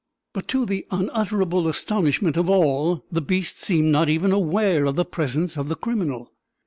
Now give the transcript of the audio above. But to the unutterable astonishment of all, the beast seemed not even aware of the presence of the criminal.